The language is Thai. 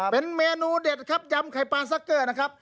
เป็นเมนูเด็ดครับยำไข่ปลาซักเกอร์นะครับ